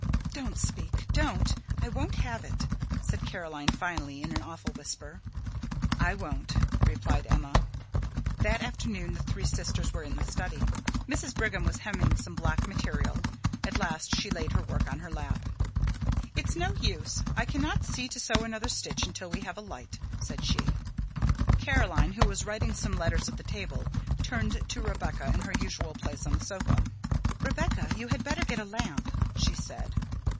"Don't speak, don't, I won't have it!" said Caroline finally in an awful whisper. "I won't," replied Emma. That afternoon the three sisters were in the study. Mrs. Brigham was hemming some black material. At last she laid her work on her lap. "It's no use, I cannot see to sew another stitch until we have a light," said she. Caroline, who was writing some letters at the table, turned to Rebecca, in her usual place on the sofa. "Rebecca, you had better get a lamp," she said.